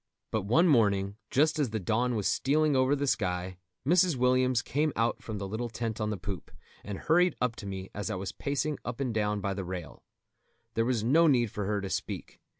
But one morning, just as the dawn was stealing over the sky, Mrs. Williams came out from the little tent on the poop, and hurried up to me as I was pacing up and down by the rail. There was no need for her to speak.